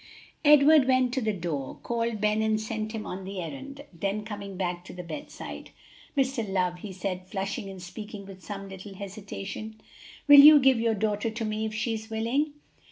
Edward went to the door, called Ben and sent him on the errand, then coming back to the bedside, "Mr. Love," he said, flushing and speaking with some little hesitation, "will you give your daughter to me if she is willing?"